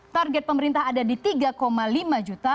target pemerintah ada di tiga lima juta